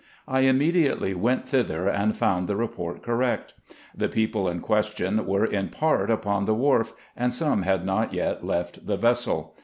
I immediately went thither, and found the report cor rect. The people in question were in part upon the wharf, and some had not yet left the vessel.